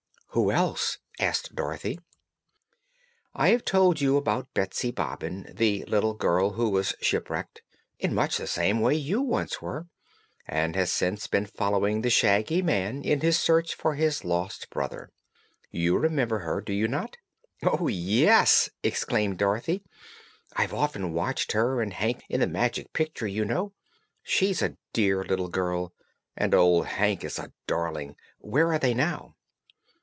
"Who else?" asked Dorothy. "I have told you about Betsy Bobbin, the little girl who was shipwrecked in much the same way you once were and has since been following the Shaggy Man in his search for his lost brother. You remember her, do you not?" "Oh, yes!" exclaimed Dorothy. "I've often watched her and Hank in the Magic Picture, you know. She's a dear little girl, and old Hank is a darling! Where are they now?"